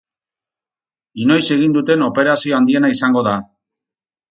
Inoiz egin duten operazio handiena izango da.